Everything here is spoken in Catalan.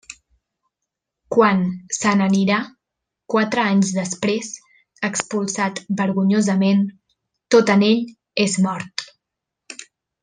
Quan se n'anirà, quatre anys després, expulsat vergonyosament, tot en ell és mort.